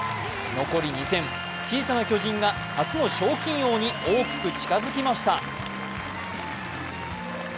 残り２戦小さな巨人が初の賞金王に大きく近づきました。